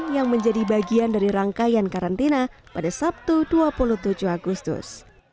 yang menjadi bagian dari rangkaian karantina pada sabtu dua puluh tujuh agustus